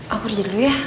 aku kerja dulu ya